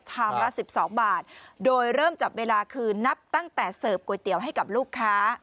ละ๑๒บาทโดยเริ่มจับเวลาคือนับตั้งแต่เสิร์ฟก๋วยเตี๋ยวให้กับลูกค้า